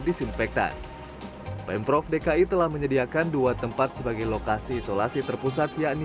disinfektan pemprov dki telah menyediakan dua tempat sebagai lokasi isolasi terpusat yakni